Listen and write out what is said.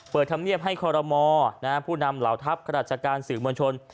ธรรมเนียบให้คอรมอผู้นำเหล่าทัพข้าราชการสื่อมวลชน